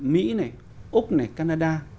mỹ này úc này canada